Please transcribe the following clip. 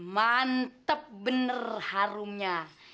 mantep bener harumnya